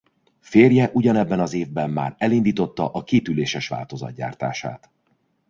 Férje ugyanebben az évben már elindította a kétüléses változat gyártását.